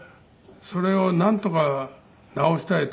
それをなんとか治したいとみんな。